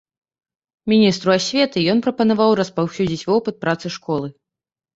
Міністру асветы ён прапанаваў распаўсюдзіць вопыт працы школы.